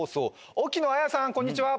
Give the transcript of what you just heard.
沖野綾亜さんこんにちは！